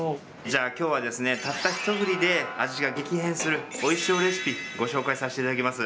じゃあきょうはですねたったひと振りで味が激変する追い塩レシピご紹介させて頂きます。